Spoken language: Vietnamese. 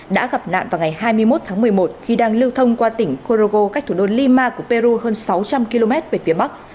đã gặp nạn vào ngày hai mươi một tháng một mươi một khi đang lưu thông qua tỉnh corogo cách thủ đô lima của peru hơn sáu trăm linh km về phía bắc